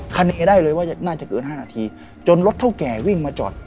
คาเนได้เลยว่าน่าจะเกิน๕นาทีจนรถเท่าแก่วิ่งมาจอด